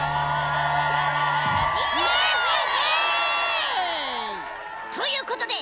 イエイ！ということで！